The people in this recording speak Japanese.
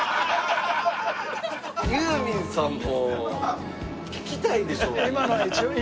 ユーミンさんも聴きたいでしょうに。